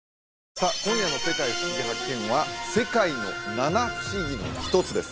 さあ今夜の「世界ふしぎ発見！」は世界の七不思議の一つです